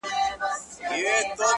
• کرونا,